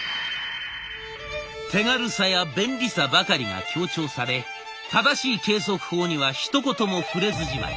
手軽さや便利さばかりが強調され正しい計測法にはひと言も触れずじまい。